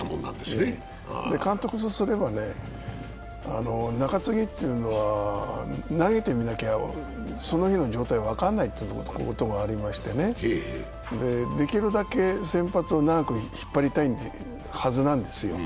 監督とすればね、中継ぎというのは投げてみなきゃその日の状態は分からないということがありましてね、できるだけ先発を長く引っ張りたいはずなんですよ。